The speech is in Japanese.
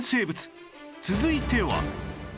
続いては